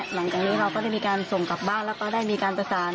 หลังจากนี้เราก็ได้มีการส่งกลับบ้านแล้วก็ได้มีการประสาน